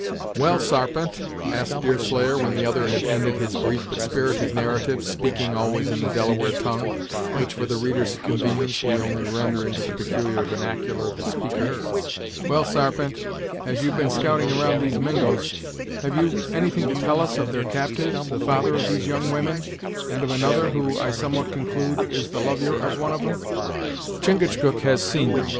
"Well, Sarpent," asked Deerslayer, when the other had ended his brief but spirited narrative, speaking always in the Delaware tongue, which for the reader's convenience only we render into the peculiar vernacular of the speaker "Well, Sarpent, as you've been scouting around these Mingos, have you anything to tell us of their captyves, the father of these young women, and of another, who, I somewhat conclude, is the lovyer of one of 'em." "Chingachgook has seen them.